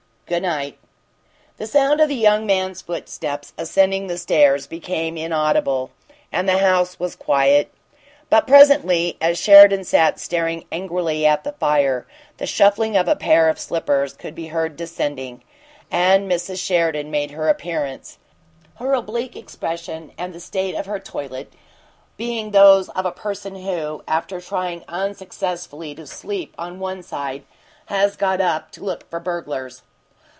"G'night!" The sound of the young man's footsteps ascending the stairs became inaudible, and the house was quiet. But presently, as Sheridan sat staring angrily at the fire, the shuffling of a pair of slippers could be heard descending, and Mrs. Sheridan made her appearance, her oblique expression and the state of her toilette being those of a person who, after trying unsuccessfully to sleep on one side, has got up to look for burglars.